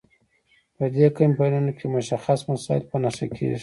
په دې کمپاینونو کې مشخص مسایل په نښه کیږي.